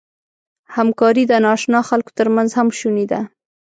همکاري د ناآشنا خلکو تر منځ هم شونې ده.